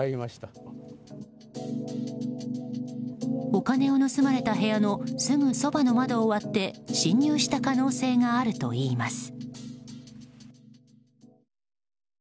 お金を盗まれた部屋のすぐそばの窓を割って侵入した可能性があるといいます。